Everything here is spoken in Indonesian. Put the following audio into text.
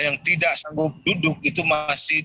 yang tidak sanggup duduk itu masih